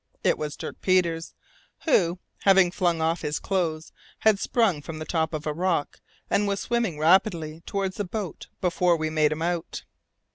It was Dirk Peters, who, having flung off his clothes, had sprung from the top of a rock, and was swimming rapidly towards the boat before we made him out.